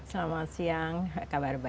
selama siang kabar baik